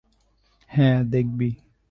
হ্যাঁ, দেখবি।